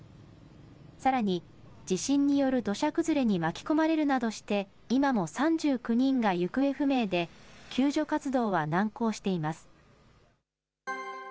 さらに、地震による土砂崩れに巻き込まれるなどして、今も３９人が行方不明で、救助活動は難航しています。